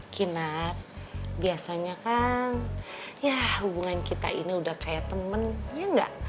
kina biasanya kan ya hubungan kita ini udah kayak temen ya enggak